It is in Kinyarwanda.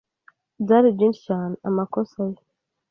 Byari byinshi cyane amakosa ye.